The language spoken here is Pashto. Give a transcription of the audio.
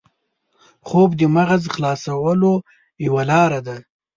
خوب د مغز خلاصولو یوه لاره ده